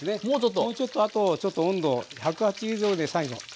もうちょっとあとちょっと温度１８０℃で最後。